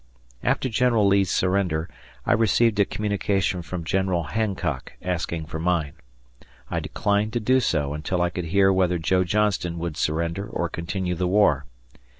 After General Lee's surrender I received a communication from General Hancock asking for mine. I declined to do so until I could hear whether Joe Johnston would surrender or continue the war.